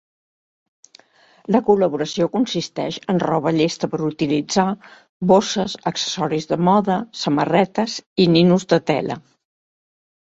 La col·laboració consisteix en roba llesta per utilitzar, bosses, accessoris de moda, samarretes i ninos de tela.